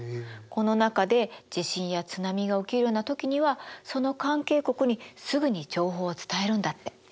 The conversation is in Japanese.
この中で地震や津波が起きるような時にはその関係国にすぐに情報を伝えるんだって。